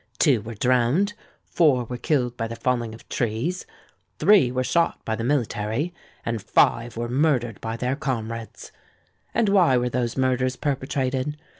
Two were drowned, four were killed by the falling of trees, three were shot by the military, and five were murdered by their comrades! And why were those murders perpetrated?